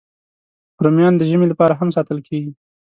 رومیان د ژمي لپاره هم ساتل کېږي